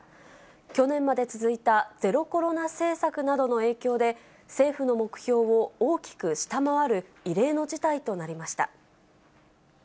去年まで続いたゼロコロナ政策などの影響で、政府の目標を大きく下回る異例の事態となりました。